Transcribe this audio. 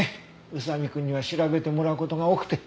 宇佐見くんには調べてもらう事が多くて。